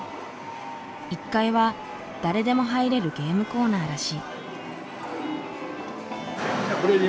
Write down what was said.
１階は誰でも入れるゲームコーナーらしい。